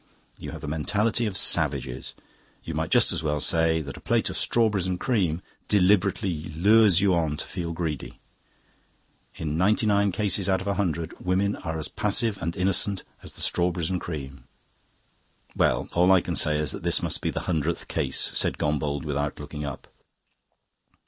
You have the mentality of savages. You might just as well say that a plate of strawberries and cream deliberately lures you on to feel greedy. In ninety nine cases out of a hundred women are as passive and innocent as the strawberries and cream." "Well, all I can say is that this must be the hundredth case," said Gombauld, without looking up.